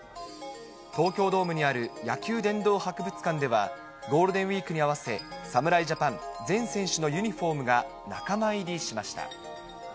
東京ドームにある野球殿堂博物館では、ゴールデンウィークに合わせ、侍ジャパン全選手のユニホームが仲間入りしました。